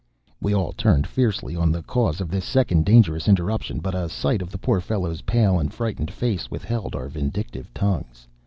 We all turned fiercely on the cause of this second dangerous interruption, but a sight of the poor fellow's pale and frightened face withheld our vindictive tongues.